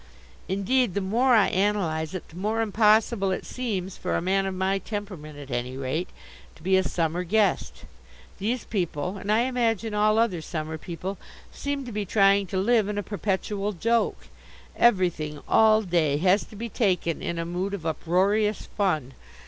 Indeed, the more I analyse it the more impossible it seems, for a man of my temperament at any rate, to be a summer guest. These people, and, I imagine, all other summer people, seem to be trying to live in a perpetual joke. Everything, all day, has to be taken in a mood of uproarious fun.